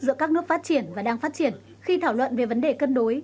giữa các nước phát triển và đang phát triển khi thảo luận về vấn đề cân đối